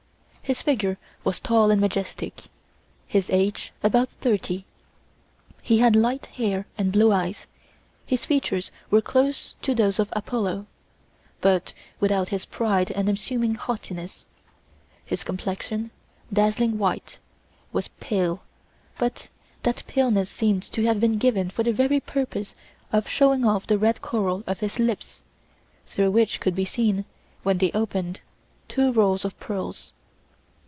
His figure was tall and majestic, his age about thirty; he had light hair and blue eyes; his features were those of Apollo, but without his pride and assuming haughtiness; his complexion, dazzling white, was pale, but that paleness seemed to have been given for the very purpose of showing off the red coral of his lips, through which could be seen, when they opened, two rows of pearls.